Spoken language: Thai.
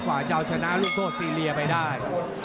ขวาเจ้าชนะรุ่นโทษซีเรียไปได้